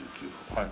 はい。